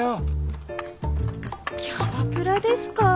キャバクラですか。